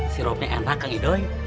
siropnya enak kan yudhoi